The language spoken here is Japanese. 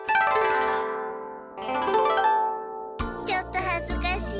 ちょっとはずかしい。